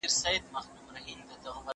زه پرون انځورونه رسم کوم.